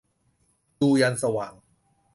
ดูยันสว่าง